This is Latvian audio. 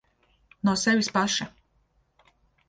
No sevis paša.